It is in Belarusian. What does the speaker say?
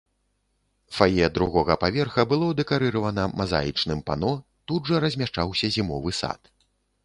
Фае другога паверха было дэкарыравана мазаічным пано, тут жа размяшчаўся зімовы сад.